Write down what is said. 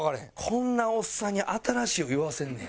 こんなおっさんに「新しい」を言わせんねや。